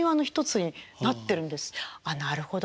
あっなるほど。